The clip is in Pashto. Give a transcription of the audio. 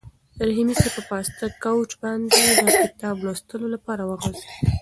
رحیمي صیب په پاسته کوچ باندې د کتاب لوستلو لپاره وغځېد.